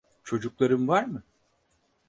Çocukların var mı?